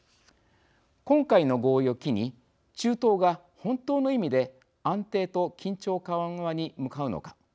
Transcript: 今回の合意を機に中東が本当の意味で安定と緊張緩和に向かうのか。